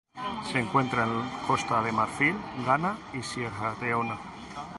Se encuentra en Costa de Marfil, Ghana y Sierra Leona.